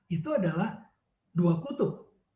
itu adalah dua kutub